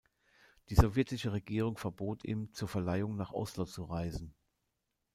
Die sowjetische Regierung verbot ihm, zur Verleihung nach Oslo zu reisen.